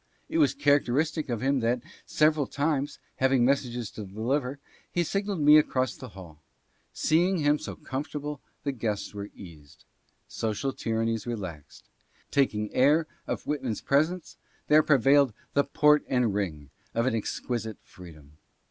It was characteristic of him that, sev eral times, having messages to deliver, he signalled me across the hall. Seeing him so comfortable, the guests were eased. Social tyrannies relaxed. Taking air of Whitman's presence, there pre vailed the port and ring of an exquisite freedom.